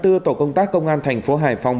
tổ công tác công an thành phố hải phòng